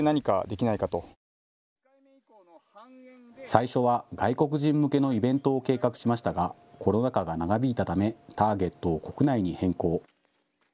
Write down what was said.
最初は外国人向けのイベントを計画しましたがコロナ禍が長引いたためターゲットを国内に変更。